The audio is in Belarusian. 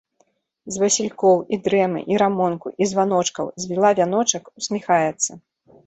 З васількоў, і дрэмы, і рамонку, і званочкаў звіла вяночак, усміхаецца.